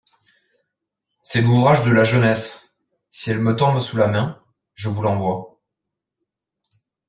C'est l'ouvrage de la jeunesse ; si elle me tombe sous la main, je vous l'envoie.